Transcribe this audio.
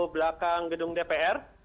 belakang gedung dpr